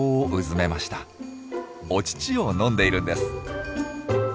お乳を飲んでいるんです。